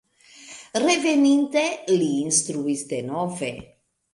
Reveninte li instruis denove.